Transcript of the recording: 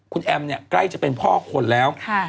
คุณแอมเนี่ยใกล้จะเป็นพ่อคนแล้ว